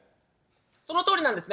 そのとおりなんですね。